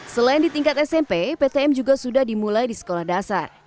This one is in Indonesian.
selain di tingkat smp ptm juga sudah dimulai di sekolah dasar